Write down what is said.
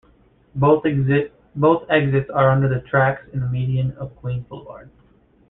Both exits are under the tracks in the median of Queens Boulevard.